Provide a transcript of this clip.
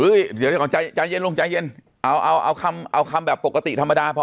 อุ้ยเดี๋ยวเดี๋ยวขอใจใจเย็นลุงใจเย็นเอาเอาเอาคำเอาคำแบบปกติธรรมดาพอ